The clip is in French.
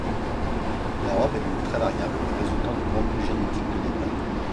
La robe est donc très variable, résultant du grand pool génétique de départ.